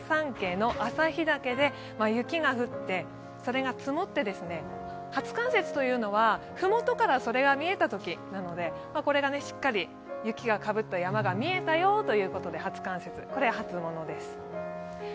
雪が降って、それが積もって、初冠雪というのは麓からそれが見えたときなので、しっかり雪がかぶった山が見えたよということで初冠雪で、初物です。